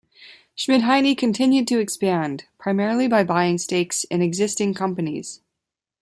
Schmidheiny continued to expand, primarily by buying stakes in existing companies.